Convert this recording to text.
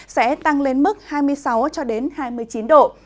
sẽ tăng lên mức hai mươi sáu hai mươi chín độ